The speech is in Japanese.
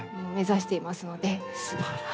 すばらしい。